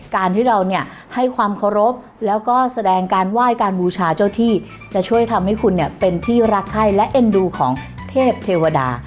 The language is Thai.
การที่เราเนี่ยให้ความเคารพแล้วก็แสดงการไหว้การบูชาเจ้าที่จะช่วยทำให้คุณเนี่ยเป็นที่รักให้และเอ็นดูของเทพเทวดา